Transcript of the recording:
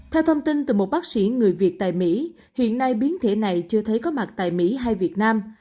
theo thông tin từ một bác sĩ người việt tại mỹ hiện nay biến thể này chưa thấy có mặt tại mỹ hay việt nam